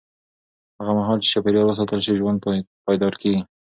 هغه مهال چې چاپېریال وساتل شي، ژوند پایدار کېږي.